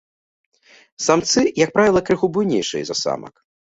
Самцы, як правіла, крыху буйнейшыя за самак.